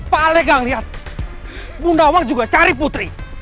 pak alek gak ngeliat bundawang juga cari putri